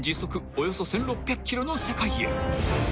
およそ１，６００キロの世界へ］